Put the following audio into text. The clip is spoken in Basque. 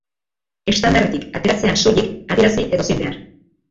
Estandarretik ateratzean soilik adierazi edozein behar.